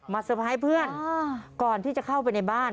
มาสบายเพื่อนก่อนที่จะเข้าไปในบ้าน